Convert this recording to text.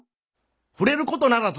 触れることならず。